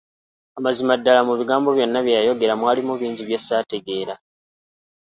Amazima ddala mu bigambo byonna bye yayogera mwalimu bingi bye saategeera.